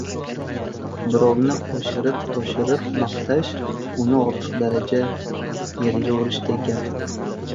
Birovni oshirib-toshirib maqtash – uni ortiq daraja yerga urishdek gap.